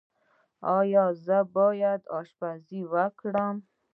ایا زه باید اشپزي وکړم؟